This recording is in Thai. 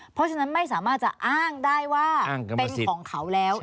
เพราะฉะนั้นไม่สามารถจะอ้างได้ว่าเป็นของเขาแล้ว